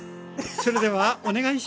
それではお願いします！